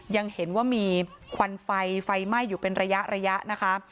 ยังเห็นว่ามีควันไฟไฟไหม้อยู่เป็นระยะระยะนะคะ